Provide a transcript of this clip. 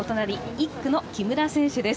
１区の木村選手です。